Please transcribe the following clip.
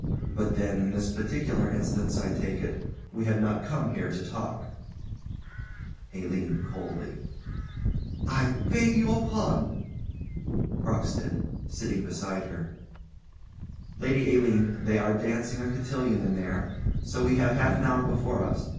But then, in this particular instance, I take it, we have not come here to talk? ALINE. [Coldly.] I beg your pardon! CROCKSTEAD. [Sitting beside her.] Lady Aline, they are dancing a cotillon in there, so we have half an hour before us.